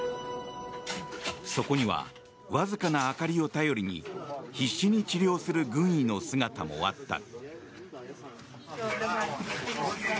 そこにはわずかな明かりを頼りに必死に治療する軍医の姿もあった。